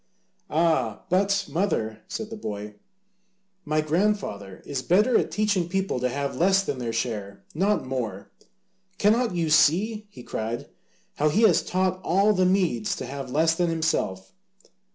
"Ah, but, mother," said the boy, "my grandfather is better at teaching people to have less than their share, not more. Cannot you see," he cried, "how he has taught all the Medes to have less than himself?